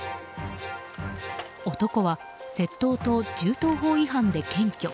男は、窃盗と銃刀法違反で検挙。